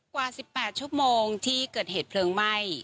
กว่า๑๘ชั่วโมงที่เกิดเหตุเพลิงไหม้